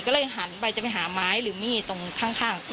ก็เลยหันไปจะไปหาไม้หรือมีดตรงข้าง